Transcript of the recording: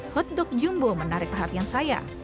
hotdog jumbo menarik perhatian saya